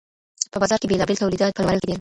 په بازار کي بیلابیل تولیدات پلورل کیدل.